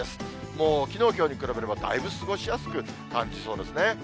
もう、きのう、きょうに比べれば、だいぶ過ごしやすく感じそうですね。